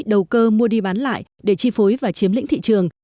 đầu cơ mua đi bán lại để chi phối và chiếm lĩnh thị trường